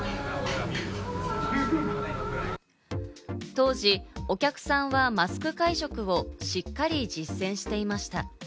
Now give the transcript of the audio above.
当時、お客さんはマスク会食をしっかり実践していました。